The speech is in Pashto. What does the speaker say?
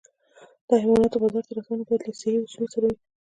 د حیواناتو بازار ته رسونه باید له صحي اصولو سره وي.